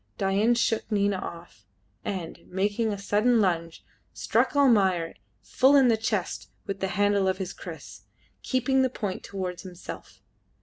Dain shook Nina off, and, making a sudden lunge, struck Almayer full in the chest with the handle of his kriss, keeping the point towards himself.